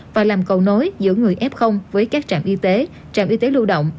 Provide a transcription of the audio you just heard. và làm cầu nối giữa người f với các trạm y tế trạm y tế lưu động